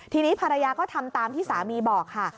ทีนี้ภรรยาก็ทำตามที่สามีบอกค่ะ